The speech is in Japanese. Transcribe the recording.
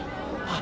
あ！